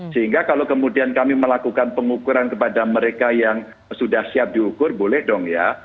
sehingga kalau kemudian kami melakukan pengukuran kepada mereka yang sudah siap diukur boleh dong ya